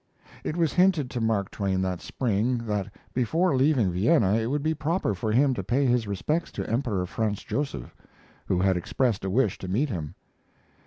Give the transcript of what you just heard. It was hinted to Mark Twain that spring, that before leaving Vienna, it would be proper for him to pay his respects to Emperor Franz Josef, who had expressed a wish to meet him.